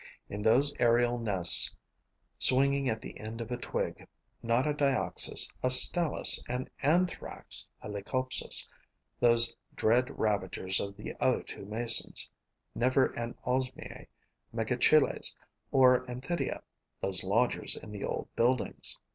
In those aerial nests, swinging at the end of a twig, not a Dioxys, a Stelis, an Anthrax, a Leucopsis, those dread ravagers of the other two Masons; never any Osmiae, Megachiles or Anthidia, those lodgers in the old buildings.